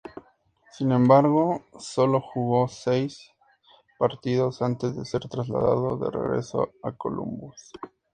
Sin embargo, sólo jugó seis partidos antes de ser trasladado de regreso a Columbus.